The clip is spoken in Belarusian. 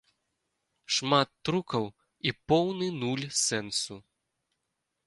Шмат трукаў і поўны нуль сэнсу.